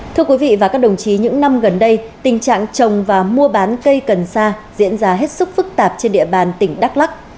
thưa quý vị và các đồng chí những năm gần đây tình trạng trồng và mua bán cây cần sa diễn ra hết sức phức tạp trên địa bàn tỉnh đắk lắc